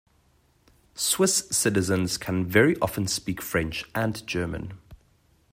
Swiss citizens can very often speak French and German.